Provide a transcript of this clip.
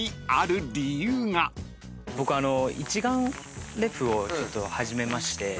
僕一眼レフをちょっと始めまして。